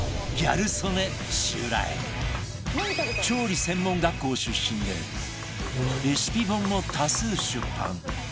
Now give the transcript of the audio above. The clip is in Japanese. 調理専門学校出身でレシピ本も多数出版